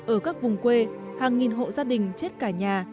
ở các vùng quê hàng nghìn hộ gia đình chết cả nhà